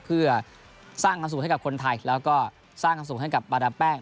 เพื่อสร้างความสุขให้กับคนไทยแล้วก็สร้างความสุขให้กับบาดามแป้ง